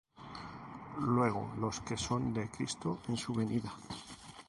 luego los que son de Cristo, en su venida.